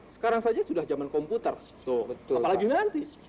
sekarang saja sudah zaman komputer apalagi nanti